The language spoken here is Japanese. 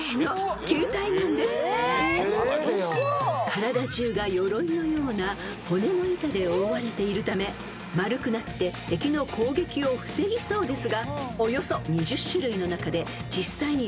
［体中がよろいのような骨の板で覆われているため丸くなって敵の攻撃を防ぎそうですが全］